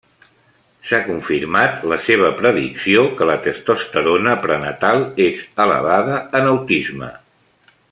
S'ha confirmat la seva predicció que la testosterona prenatal és elevada en autisme.